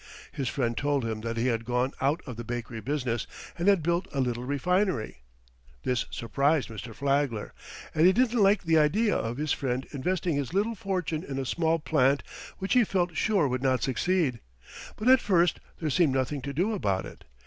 His friend told him that he had gone out of the bakery business and had built a little refinery. This surprised Mr. Flagler, and he didn't like the idea of his friend investing his little fortune in a small plant which he felt sure would not succeed. But at first there seemed nothing to do about it.